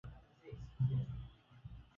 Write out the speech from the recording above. Kichwa wa nyumba anapaswa kuwa na akili timamu